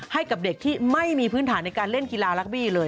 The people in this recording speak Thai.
ให้กับเด็กที่ไม่มีพื้นฐานในการเล่นกีฬารักบี้เลย